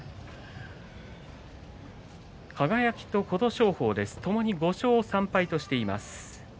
輝と琴勝峰はともに５勝３敗としています。